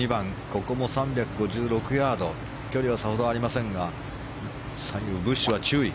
ここも３５６ヤード距離はさほどありませんが左右のブッシュは注意。